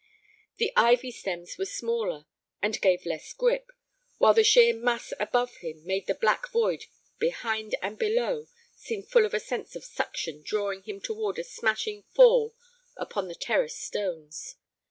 The ivy stems were smaller and gave less grip, while the sheer mass above him made the black void behind and below seem full of a sense of suction drawing him toward a smashing fall upon the terrace stones.